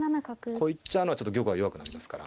こう行っちゃうのはちょっと玉が弱くなりますから。